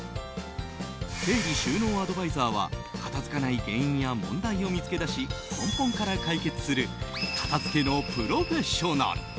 整理収納アドバイザーは片付かない原因や問題を見つけ出し根本から解決する片付けのプロフェッショナル。